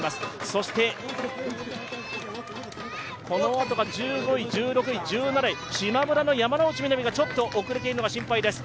そしてこのあとが１５位、１６位、１７位、しまむらの山ノ内みなみがちょっと遅れているのが心配です。